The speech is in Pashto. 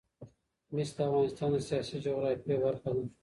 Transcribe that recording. مس د افغانستان د سیاسي جغرافیه برخه ده.